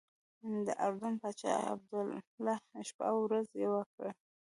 د اردن پاچا شاه عبدالله شپه او ورځ یوه کړه.